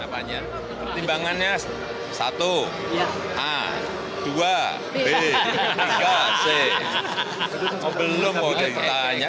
pertimbangannya satu dua tiga belum mau ditanya